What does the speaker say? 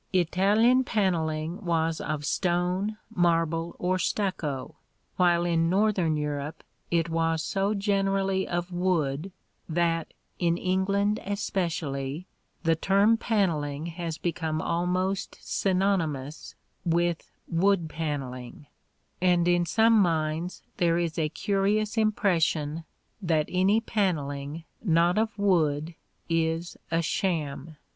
Italian panelling was of stone, marble or stucco, while in northern Europe it was so generally of wood that (in England especially) the term panelling has become almost synonymous with wood panelling, and in some minds there is a curious impression that any panelling not of wood is a sham.